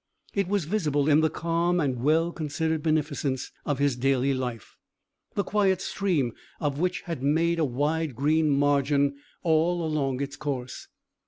It was visible in the calm and well considered beneficence of his daily life, the quiet stream of which had made a wide green margin all along its course.